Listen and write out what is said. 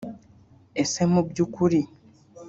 Ese mu by’ukuri